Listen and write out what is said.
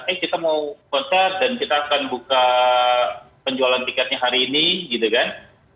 eh kita mau konser dan kita akan buka penjualan tiketnya hari ini gitu kan